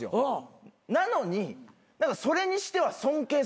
なのにそれにしては尊敬されてない。